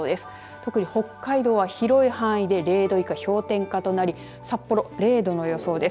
特に北海道では広い範囲で０度以下、氷点下となり札幌０度の予想です。